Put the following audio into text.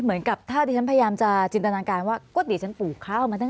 เหมือนกับถ้าที่ฉันพยายามจะจินตนาการว่า